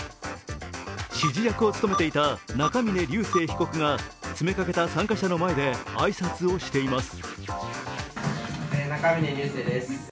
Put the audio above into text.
指示役を務めていた中峯竜晟被告が詰めかけた参加者の前で挨拶をしています。